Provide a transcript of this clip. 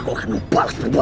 bukannya bukan tercould